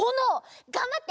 がんばって！